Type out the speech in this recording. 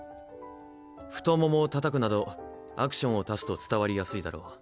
太ももをたたくなどアクションを足すと伝わりやすいだろう。